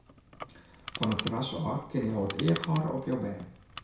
Fan it terras ôf kinne jo it each hâlde op jo bern.